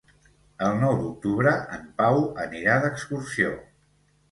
El nou d'octubre en Pau anirà d'excursió.